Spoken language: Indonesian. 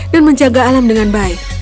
dan menjaga alam dengan baik